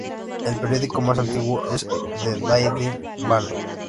El periódico más antiguo es "The Daily Banner".